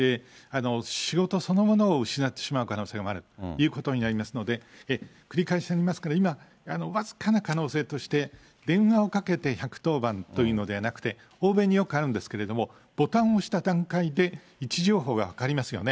仕事そのものを失ってしまう可能性もあるということになりますので、繰り返しになりますけど、今、僅かな可能性として、電話をかけて１１０番というのではなくて、欧米によくあるんですけれども、ボタンを押した段階で、位置情報が分かりますよね。